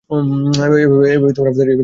এভাবেই আমাদেরকে আগাতে হবে।